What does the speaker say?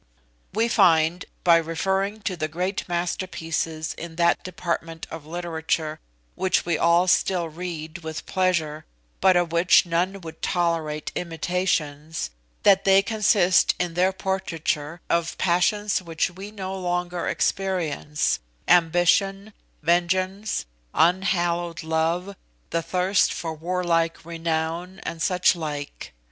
"We find, by referring to the great masterpieces in that department of literature which we all still read with pleasure, but of which none would tolerate imitations, that they consist in the portraiture of passions which we no longer experience ambition, vengeance, unhallowed love, the thirst for warlike renown, and suchlike.